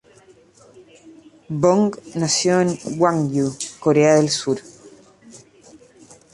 Bong nació en Gwangju, Corea del Sur.